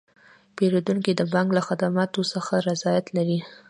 پیرودونکي د بانک له خدماتو څخه رضایت لري.